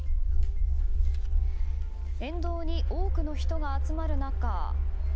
沿道に多くの人が集まる中